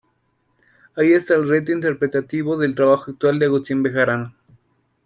Ahí está el reto interpretativo del trabajo actual de Agustín Bejarano".